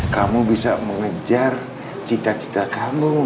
kamu bisa mengejar cita cita kamu